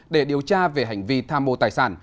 để điều tra về hành vi tham mô tài sản